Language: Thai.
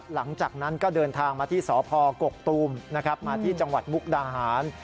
หลังจากนั้นก็เดินทางมาที่สพกกตูมนะครับมาที่จังหวัดมุกดาหาร